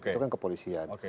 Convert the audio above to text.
itu kan kepolisian